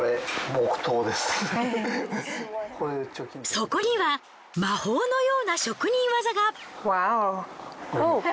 そこには魔法のような職人技が！